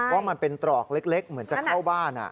ว่ามันเป็นตรอกเล็กเหมือนจะเข้าบ้าน